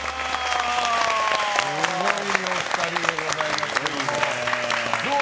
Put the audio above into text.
すごいお二人でございますけども。